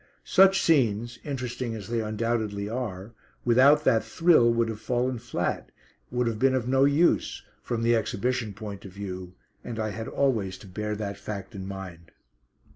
Such scenes interesting as they undoubtedly are without that "thrill" would have fallen flat, would have been of no use, from the exhibition point of view, and I had always to bear that fact in mind.